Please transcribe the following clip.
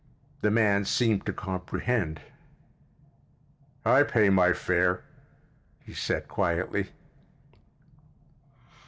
The man seemed to comprehend. "I pay my fare," he said quietly.